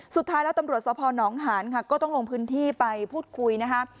สุดท้ายแล้วตำรวจสภหนองหานค่ะก็ต้องลงพื้นที่ไปพูดคุยนะคะ